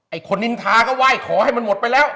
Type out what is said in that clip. คนนินทาก็ไหว้ขอให้มันหมดไปแล้ว